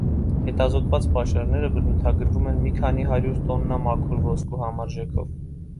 Հետազոտված պաշարները բնութագրվում են մի քանի հարյուր տոննա մաքուր ոսկու համարժեքով։